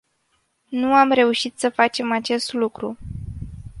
Nu am reușit să facem acest lucru.